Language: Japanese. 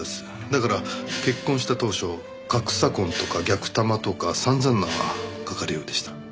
だから結婚した当初「格差婚」とか「逆玉」とか散々な書かれようでした。